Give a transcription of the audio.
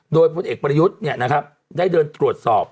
โดยพลเอกประยุทธ์ได้เดินตรวจสอบ